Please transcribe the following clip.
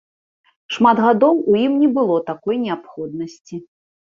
Шмат гадоў у ім не было такой неабходнасці.